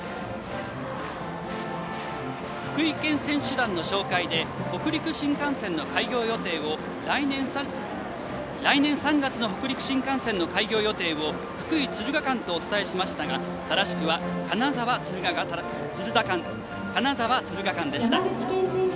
福井県選手団の紹介で来年３月の北陸新幹線の開業予定を福井敦賀間とお伝えしましたが正しくは金沢敦賀間でした。